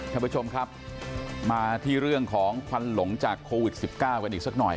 ท่านผู้ชมครับมาที่เรื่องของควันหลงจากโควิด๑๙กันอีกสักหน่อย